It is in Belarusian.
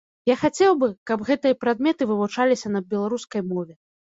Я хацеў бы, каб гэтыя прадметы вывучаліся на беларускай мове.